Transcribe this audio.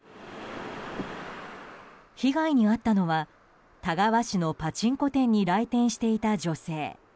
被害に遭ったのは田川市のパチンコ店に来店していた女性。